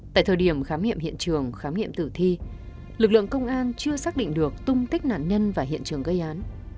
tại thời điểm khám nghiệm hiện trường khám nghiệm tử thi lực lượng công an chưa xác định được tung tích nạn nhân và hiện trường gây án